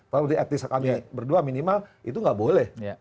kalau di etnis kami berdua minimal itu nggak boleh